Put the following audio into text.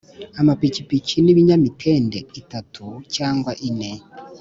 amapikipiki n'ibinyamitende itatu cyangwa ine.